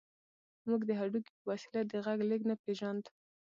موږ د هډوکي په وسيله د غږ لېږد نه پېژاند.